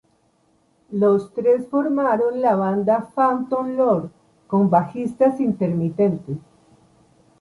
Los tres formaron la banda Phantom Lord, con bajistas intermitentes.